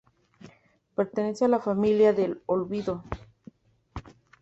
Pertenece a la familia del olivo.